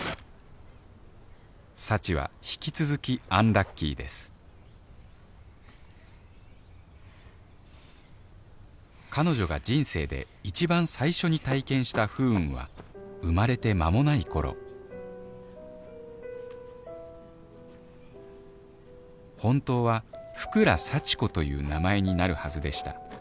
幸は引き続きアンラッキーです彼女が人生で一番最初に体験した不運は生まれて間もない頃本当は「福良幸子」という名前になるはずでした。